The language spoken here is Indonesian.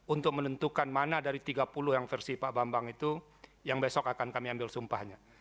untuk menentukan mana dari tiga puluh yang versi pak bambang itu yang besok akan kami ambil sumpahnya